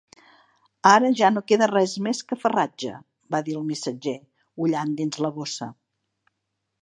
"Ara ja no queda res més que farratge", va dir el missatger, ullant dins la bossa.